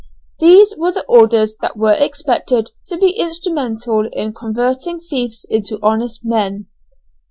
These were the orders that were expected to be instrumental in converting thieves into honest men!